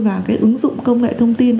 và cái ứng dụng công nghệ thông tin